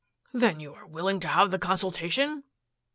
"Then you are willing to have the consultation!"